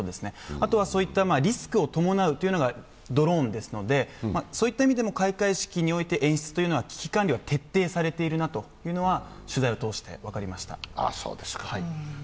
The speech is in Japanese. あとはリスクを伴うというのがドローンですのでそういった意味でも開会式において演出というのは危機管理は徹底されているなというのは取材を通して分かりました。